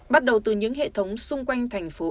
bắt đầu từ những hệ thống xung quanh thành phố